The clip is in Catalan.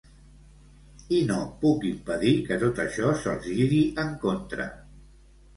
I no puc impedir que tot això se'ls giri en contra.